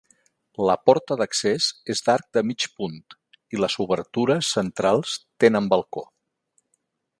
La porta d'accés és d'arc de mig punt i les obertures centrals tenen balcó.